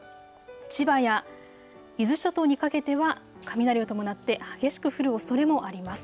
千葉や伊豆諸島にかけては雷を伴って激しく降るおそれもあります。